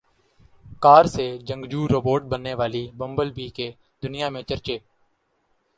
کار سے جنگجو روبوٹ بننے والی بمبل بی کے دنیا میں چرچے